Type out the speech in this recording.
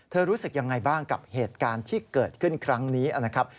รู้สึกยังไงบ้างกับเหตุการณ์ที่เกิดขึ้นครั้งนี้นะครับ